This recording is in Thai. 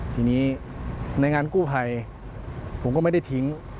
ทีนี้ในงานกู้ภัยผมก็ไม่ได้ทิ้ง